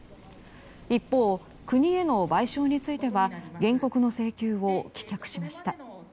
一方、国への賠償については原告の請求を棄却しました。